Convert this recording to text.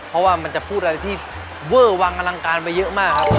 เพราะว่ามันจะพูดอะไรที่เวอร์วังอลังการไปเยอะมากครับ